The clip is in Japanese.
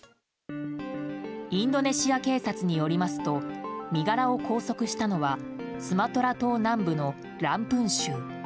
インドネシア警察によりますと身柄を拘束したのはスマトラ島南部のランプン州。